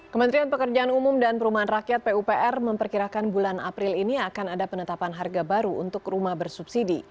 kementerian pekerjaan umum dan perumahan rakyat pupr memperkirakan bulan april ini akan ada penetapan harga baru untuk rumah bersubsidi